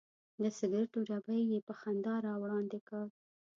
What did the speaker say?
د سګرټو ډبی یې په خندا راوړاندې کړ.